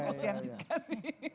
kesian juga sih